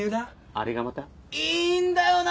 あれがまたいいんだよな！